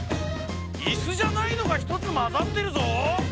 イスじゃないのがひとつまざってるぞ！